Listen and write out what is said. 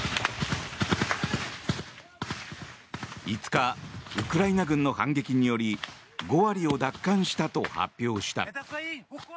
５日ウクライナ軍の反撃により５割を奪還したと発表した。